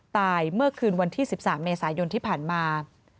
เมื่อคืนวันที่๑๓เมษายนที่ผ่านมา